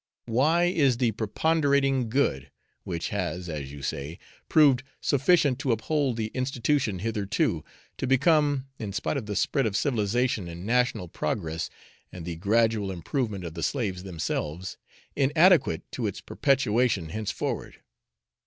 Why is the preponderating good, which has, as you say, proved sufficient to uphold the institution hitherto, to become (in spite of the spread of civilisation and national progress, and the gradual improvement of the slaves themselves) inadequate to its perpetuation henceforward?